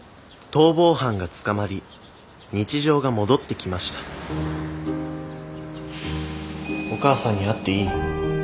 逃亡犯が捕まり日常が戻ってきましたお母さんに会っていい？